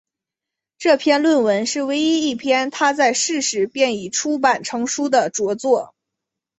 这篇论文是唯一一篇他在世时便已出版成书的着作。